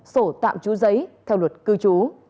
sổ tạm chú giấy theo luật cư chú